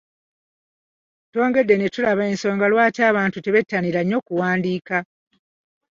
Twongedde ne tulaba ensonga lwaki abantu tebettanira nnyo kuwandiika. n